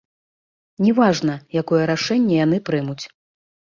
Не важна, якое рашэнне яны прымуць.